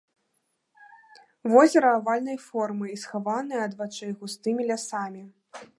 Возера авальнай формы і схаванае ад вачэй густымі лясамі.